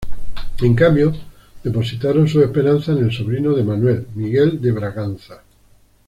En cambio, depositaron sus esperanzas en el sobrino de Manuel, Miguel de Braganza.